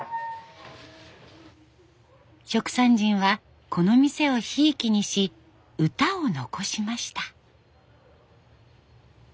蜀山人はこの店をひいきにし歌を残しました。